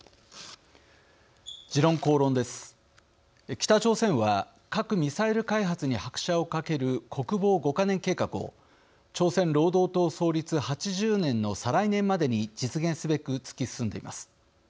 北朝鮮は、核・ミサイル開発に拍車をかける国防５か年計画を朝鮮労働党創立８０年の再来年までに実現すべく突き進んでいます。